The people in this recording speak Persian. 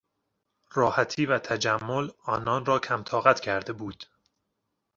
راحتی و تجمل آنان را کمطاقت کرده بود.